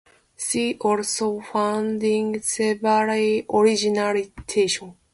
She also founded several organizations.